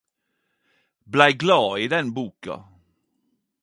Blei glad i den boka!